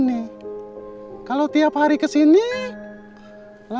mak sudah pulang